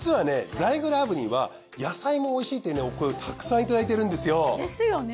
ザイグル炙輪は野菜もおいしいっていうお声をたくさんいただいてるんですよ。ですよね。